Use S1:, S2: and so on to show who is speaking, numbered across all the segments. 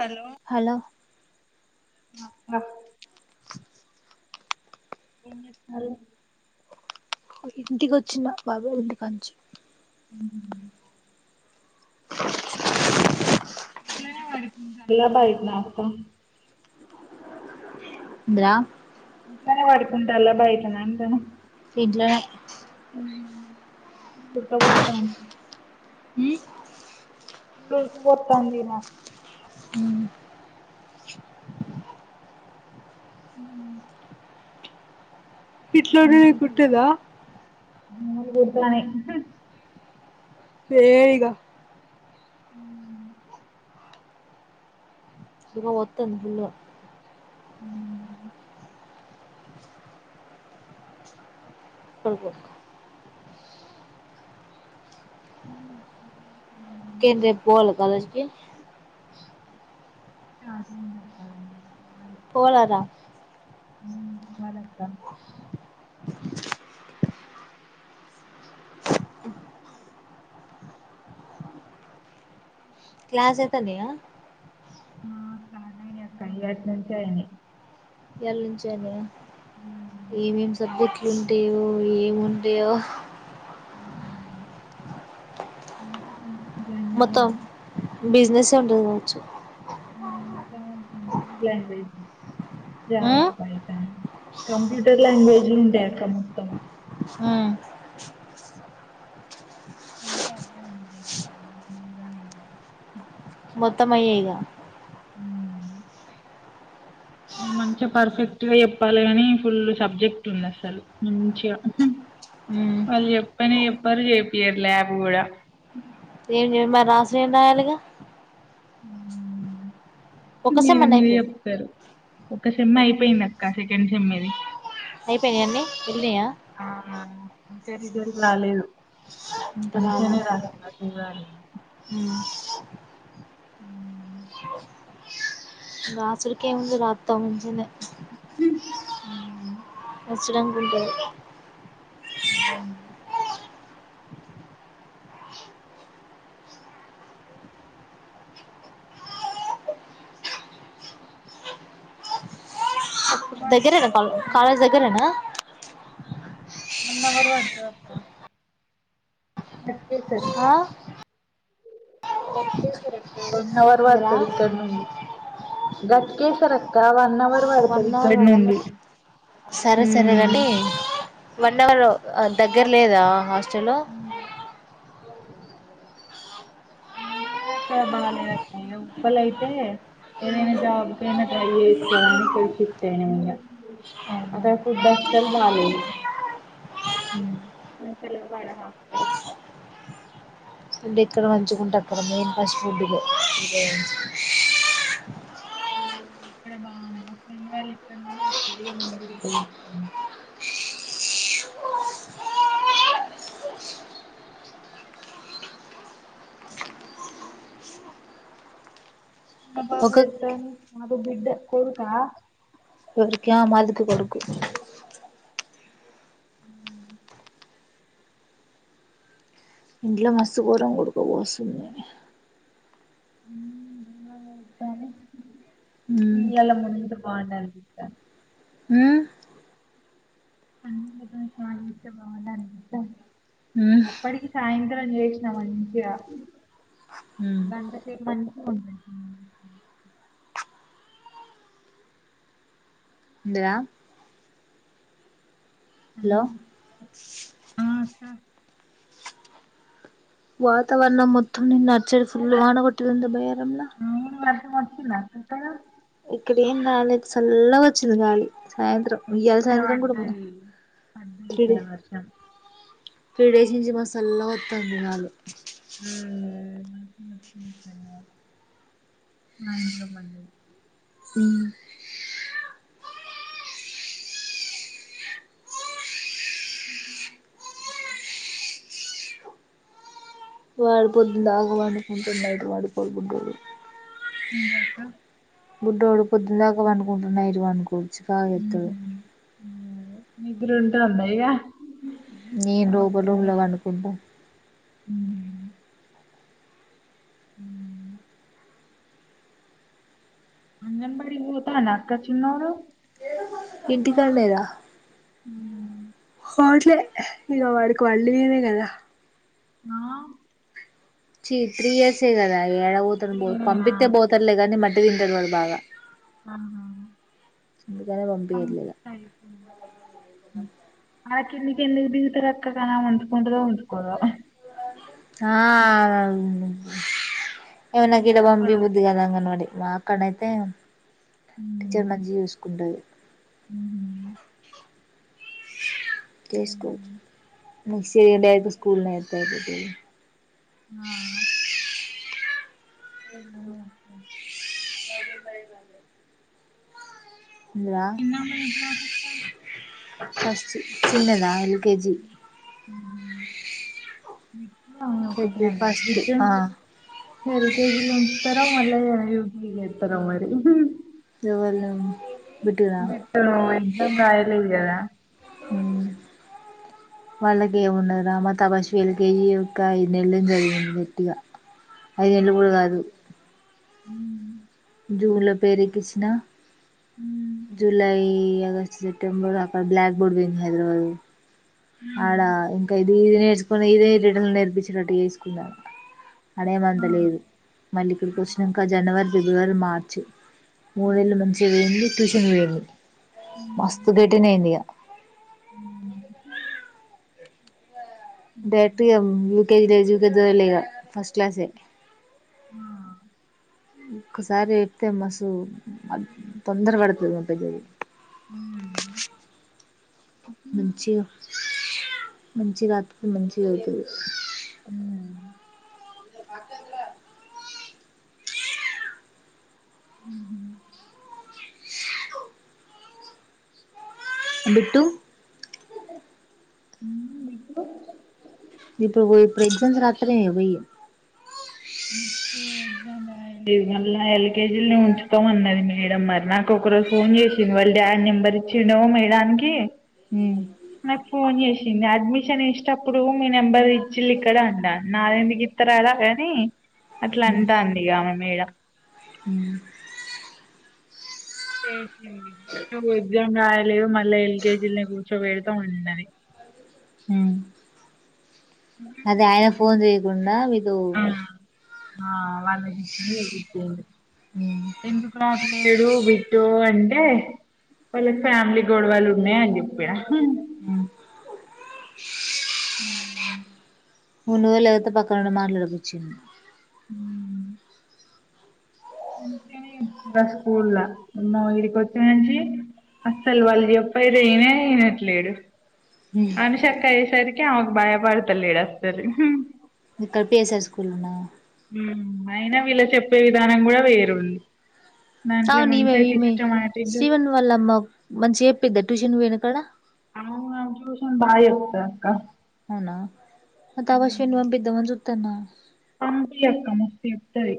S1: Hello ఏం చేస్తున్నారు
S2: ఇంటికి వచ్చిన బాబాయ్ ఇంటి కాంచి
S1: మ్ ఇలా బయట్ నా అక్క
S2: ద్రా
S1: ఇంట్లోనే పడుకుంటలా బయటనా అంటన
S2: ఇంట్లోనే
S1: హుమ్ ఉడ్ ఖా పొత్తంది గుర్ క్ పొతాంది నాక్ మ్
S2: ఇట్లోడనే కుట్టేదా
S1: అ కూడుతానేయి
S2: వేయి ఇగా
S1: ఉమ్
S2: ఇవో ఒత్తంది ఫుల్ గా
S1: హుమ్
S2: కొన్కో
S1: [unintelligible]
S2: ఇంకేందే పోల కాలేజ్ కి
S1: అదే ఇంగ కాదండి
S2: పోలా రా
S1: హుమ్ వణక్కం
S2: క్లాస్ అయితానయా
S1: ఆ కాదని అక్క ఈ ఆటినుంచి అయినాయి
S2: ఈయాల్ నుంచి అయినాయ ఈవేం సబ్బుద్ ఉంటేవో ఏముంటయో
S1: అ [inaudible]
S2: మొత్తం బిజినెస్ ఉంటది కావచ్చు
S1: [inaudible]
S2: ఉమ్
S1: జావా పై కంప్యూటర్ లాంగ్వేజ్లు ఉంటాయి అక్క మొత్తం
S2: ఉమ్
S1: అంత అర్ధం అయింది [inaudible]
S2: మొత్తం అయ్యేగా
S1: హ్మ్. మంచిగా పర్ఫెక్ట్ గా చెప్పాలే కాని ఫుల్ సబ్జెక్ట్ ఉంది, అసలు మంచిగా
S2: ఉమ్
S1: వాళ్ళు చెప్పని చెప్పరు చేపియరు ల్యాబ్ కూడా.
S2: ఏం చె మరి రాస ఏం రాయాలిగా
S1: మ్మ్
S2: ఒక్క సెమ్
S1: మీద
S2: అన్న అయిపోయి
S1: మీదజెప్తారు ఒక సెమ్ అయిపోయింది అక్క సెకండ్ సెమ్ ఇది
S2: అయిపోయాయన్ని
S1: ఆ ఇంకా రిజల్ట రాలేదు
S2: ఇంకా రాలే
S1: మంచిగనే
S2: [inaudible]
S1: రాసిన చూడాలి
S2: [unintelligible]
S1: మహ్
S2: రాసుడుకేముంది రాత్తం మంచిగానే
S1: [inaudible]
S2: వచ్చినంకుంటాది
S1: మ్మ్ ఎప్పుడు
S2: దగ్గరేనా
S1: పడుతుందక్కా?
S2: కాలేజ్ దగ్గరేనా
S1: వన్ హవరు పడ్తదక్కా ఘట్కేసర్
S2: ఆ
S1: ఘట్కేసర్ అక్క వన్ హౌర్
S2: ఉందిరా
S1: పడ్తది ఇక్కడ్నుండి ఘట్కేసర్ అక్క వ
S2: వన్ అవర్ వన్ అవర్ సరే సరే
S1: హ్మ్.
S2: గాని వన్ అవర్ దగ్గర లేదా హాస్
S1: హ్మ్
S2: అ
S1: అక్కడ బాలేదు అక్కడ ఇగ ఉప్పల అయితే ఏదైనా జాబ్ కయినా ట్రై చెయ్యచ్చు కదా అని ఇక్కడ షిఫ్ట్ అయినాం ఇకా అక్కడ ఫుడ్ అస్తలు బాలేదు మంచిగా లెవ్వు ఆడ హాస్టల్స్
S2: అంటే ఇక్కడ మంచుకుంటే అక్కడ మెయిన్ ఫస్ట్ ఫుడ్
S1: ఇక్కడ బావుందా మా ఫ్రెండ్ వాళ్ళు ఇక్కడ్నుందే వచ్చేది మా బాబు
S2: ఒక
S1: ఎదుగుతాను ఆడు బిడ్డ కొడుకా
S2: ఎవరికి మాదికు కొడుకు
S1: మ్మ్
S2: ఇంట్లో మస్తు గోరం ఉడుకపోస్తుంది
S1: [unintelligible]
S2: ఉమ్
S1: నీళ్లలా ముందు బాగున్నారు అంట
S2: ఉమ్
S1: అ [inaudible] బావుండు
S2: ఉమ్
S1: అప్పటికి సాయంత్రంన్ని చేసిన మంచిగా
S2: ఉమ్
S1: గంట సేపు మంచిగా ఉండే
S2: అందరా హలో
S1: ఆ అక్క
S2: వాతావరణం మొత్తం నిన్న అర్చడి ఫుల్ వాన కొట్టదింద బయ్యరంలా
S1: అవును వర్షం వచ్చిందా క్కడ
S2: ఇక్కడ ఏం రాలేదు చల్లగోచ్చింది గాలి సాయంత్రం ఇయ్యాల
S1: ఇక్కడ
S2: సాయంత్రం కూడా
S1: బడ్డాది
S2: త్రీ
S1: పడ్డదిక్కడ
S2: డేస్
S1: వర్షం
S2: త్రీ డేస్ నించి మసల్ల వత్తాంది గాలి
S1: [inaudible] నంత మండే
S2: ఉ
S1: అ
S2: వాడు పొద్దున్ దాగ పనుడుకుంటున్నడు వాడు [unintelligible]
S1: ఈదక్క
S2: బుడ్డోడు పొద్దున దాకా పనుకుంటున్నా ఈడు పన్కోడు
S1: ఊహు ఊ నిద్రుంటాందా ఇగ
S2: నేను లోపల రూమ్ లో బండుకుంటా
S1: హ్మ్ హ్మ్ అంగన్ బడికి పోతాండా అక్క చిన్నోడు
S2: ఇంటికాడలేదా
S1: హ్మ్
S2: కోట్లే ఇగ వాడికి వళ్ళివీదె కదా
S1: నా
S2: చి త్రీ ఇయర్స్ ఎ గదా యాడబోతండు బో
S1: త్రీనేనా
S2: పంపితే పోతల్లే కానీ మల్ తిలిండరు వాళ్ బాగా
S1: [unintelligible]
S2: అందుకనే
S1: పంపిస్తే అయిపోవు
S2: అ
S1: అ కిందెందుకు దిగుతరక్క కనామంచుగుంటదో ఉండద్
S2: ఆ ఉ పో నాకిడ పంపి
S1: ఉంచుకోరు
S2: బుద్ధి గాదు అంగన్వడి వాకడైతే టీచర్
S1: ఉమ్
S2: మంచిగ చూసుకుంటది
S1: హుహు.
S2: చేస్కు
S1: హ్మ్.
S2: మీస్ [unintelligible] డే అయితే స్కూల్లో ఏత్తాదిది
S1: ఆ ఇంగేమక్క
S2: ఇందులా
S1: చిన్నామ నే క్లాసక్క
S2: ఫస్ట్ చిన్నదా [unintelligible]
S1: ఉ ఊ [unintelligible] హా
S2: పెద్ద
S1: కొట్టినాడంట
S2: ఫస్ట్
S1: బిట్టు
S2: ఆ
S1: హెరికేజిలో త్వరగా మళ్ళ ఇయుగా ఇతార మరి
S2: ఎవళ్లు
S1: బిట్టు వన్ ఏం రాయలేదు గదా
S2: మ్ వాళ్ళకి ఏమున్నాది రా మా తపస్వి ఎల్కేజీ యొక్క ఐదు నెల్లెమో చదివింది గట్టిగా ఐదు ఏండ్లు కూడ కాదు
S1: హ్మ్.
S2: జూన్ లో పేరు ఎక్కించిన
S1: హ్మ్.
S2: జులై అగస్ట్ సెప్టెంబర్ అక్కడ బ్లాక్ బోర్డ్ పోయింది హైదరాబాద్ ఆడ
S1: హ్మ్.
S2: ఇంకా ఇదే కొన్ని ఇదే రీడింగులు నేర్పించెటట్టు చేసుకున్నా అడేం
S1: అవును.
S2: అంటలేదు మళ్ళీ ఇక్కడికి
S1: ఆ!
S2: వచ్చినంక జనవరి ఫిబ్రవరి మార్చ్ మూనెళ్లు
S1: హ్మ్.
S2: మంచిగ పోయింది టుష తినలేదు మస్తు
S1: హ్మ్.
S2: గెటిన్ అయింది ఇగ
S1: హ్మ్.
S2: డట
S1: హ్మ్.
S2: కజీ లేజ గదు లేగా ఫస్ట్ క్లాసే
S1: ఆ
S2: ఒకసారి ఇప్తే మసు తొందరగాడతున్న పెది
S1: హ్మ్.
S2: మంచి మంచి కాతుది మంచిగా అవుతుంది
S1: హ్మ్
S2: ఇ పాక
S1: హ
S2: బట్టు
S1: నకు
S2: ఇప్పుడు పో ఇప్పుడు ఎక్జామ్స్ రాత్తే పోయ
S1: ఇది మ ఎల్కేజీ ఉంచుతామన్నది మేడ మరి నాకు ఒకరోజు ఫోన్ చేసింది వాళ్ళ డాడీ నెంబర్ ఇచ్చిండెమో మేడనికి
S2: ఉమ్
S1: నాక్ ఫోన్ చేసింది అడ్మిషన్ ఇచ్చేటప్పుడు మీ నెంబర్ ఇచ్చిళ్ళు ఇక్కడ అన్నాన్ నాది ఎందుకు ఇత్తరాలా కాని, అట్లా అంటాంది గామె మేడం
S2: మ్మ్
S1: చేసింది టూ ఎగ్జామ్ రాయలేదు మళ్ళా ఎల్కేజీ ల్నే కూర్చోబెడుతాం అన్నది.
S2: ఉమ్ అదే ఆయన ఫోన్ చేయ్యకుండా మీకు
S1: ఆ ఆ వాళ్ళకిచ్చి చేప్పింది ఎందుకు రా అట్ల లేడు బిటు అంటే వాళ్ళ ఫ్యామిలీ గొడవలు ఉన్నాయని చెప్పాడు
S2: ఆ
S1: ఉ
S2: మును వే లేకపోతే పక్కన ఉండి మాట్లాడి వచ్చి
S1: మంచిగానే స్కూల్ లో ఇక్కడికి వచ్చినప్పటి నుంచి అస్సలు వాళ్ళ చెప్పది విననే వినట్లేడు అనుషక్క ఏ సైడ్ ఆమెకు బయపడుతలేడు అస్సలు
S2: ఇక్కడ పిఎస్ఆర్ స్కూల్ లోనా
S1: అయిన వీళ్ళ చెప్పే విధానం కూడా వేరుంది దాంట్లో
S2: అవును ఈమే
S1: మంచిగా
S2: ఈమే
S1: సిస్టమాటిక్
S2: శ్రీవన్ వాళ్ళమ్మ మంచిగా చెప్పింద్ ట్యూషన్ పోయిన కాడ
S1: ఆ ట్యూషన్ బాగా చెప్తారు అక్క
S2: అవునా మా అవిశ్వన్ పంపిదమా చూ త్తనా
S1: పంపి అక్క మస్తుగా చెప్తది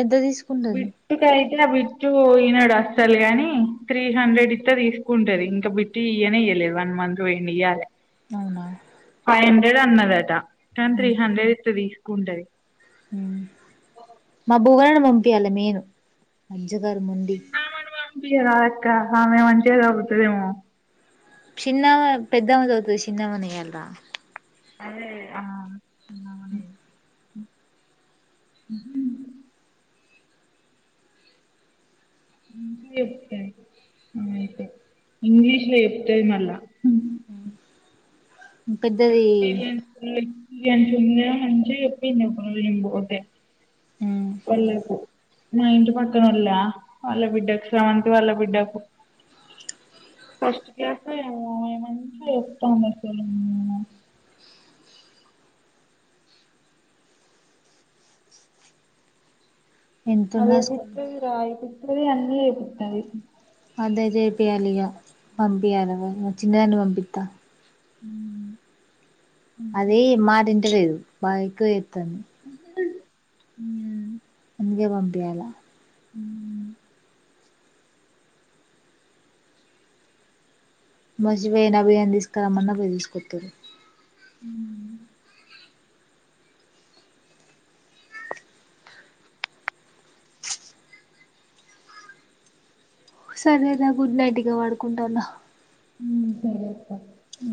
S2: ఎంత తీసుకుంటది
S1: బిట్టు కైతే బిట్టు ఈనా వస్త గాని త్రీ హండ్రెడ్ ఇస్తే తీసుకుంటది ఇంకా బిట్టు ఇయ్యనే ఇయలేదు వన్ మంత్ పోయిండు ఇయాలి
S2: అవునా
S1: ఫైవ్ హండ్రెడ్ అన్న [unintelligible] మొత్తం త్రీ హండ్రెడ్ ఇస్తే తీసుకుంటది
S2: పంపియాలా మైను జాగర్ మొండి
S1: ఇక ఆమె మంచిగా చదువుతాదేమో
S2: చిన్నామా పెద్దామే చదువుతది చిన్నామనే వేయ్యాల
S1: అదే ఆ
S2: అ
S1: తిందామని హ మంచిగా చెప్తాది అయితే ఇంగ్లీష్ లో చెప్తాది మళ్ళా
S2: పెద్దది
S1: ఎంతున్నా మంచిగా చెప్పిండు నేను పోతే వలకు మా ఇంటి పక్కనోళ్ళ వాళ్ళ బిడ్డకు స్రవంతి వాళ్ళ బిడ్డకు ఫస్ట్ క్లాస్ ఏమో మంచిగా చెప్తాంది అసలు
S2: ఎంతున్నా స్కూల్
S1: చదివిపిస్తది రాయి పి స్తది అన్నీ చెప్పిస్తది
S2: అదే చేపియాలిగా పంపియాలిక చిన్నదాన్ని పంపిస్తా
S1: హ
S2: అది మాట వింటలేదు బైకు ఎ
S1: మ్మ్
S2: గే పంపియ్యాల
S1: మ్మ్
S2: మసివైన అభియా తీసుకురామ్మన్నా పోయి తెలుసుకొచ్చారు
S1: మ్మ్
S2: సరే రా గుడ్ నైట్ ఇగ వాడుకుంటాను
S1: మ్మ్ సరెప్ప
S2: అ